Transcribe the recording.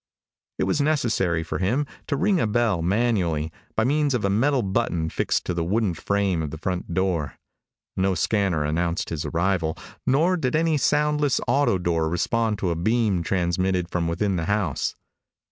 It was necessary for him to ring a bell manually, by means of a metal button fixed to the wooden frame of the front door. No scanner announced his arrival, nor did any soundless auto door respond to a beam transmitted from within the house.